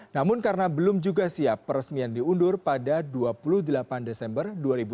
namun karena belum juga siap peresmian diundur pada dua puluh delapan desember dua ribu dua puluh